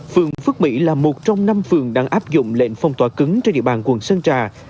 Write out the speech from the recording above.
phường phước mỹ là một trong năm phường đang áp dụng lệnh phong tỏa cứng trên địa bàn quận sơn trà